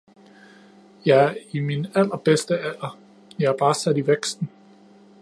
Jeg er i min allerbedste alder, jeg er bare sat i væksten